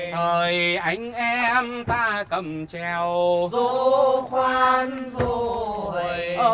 thời anh em ta cầm trèo dô khoan dô hầy